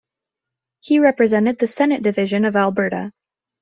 He represented the senate division of Alberta.